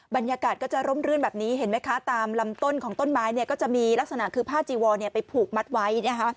บรรยากาศก็จะร่มรื่นแบบนี้เห็นไหมคะตามลำต้นของต้นไม้เนี่ยก็จะมีลักษณะคือผ้าจีวอนไปผูกมัดไว้นะคะ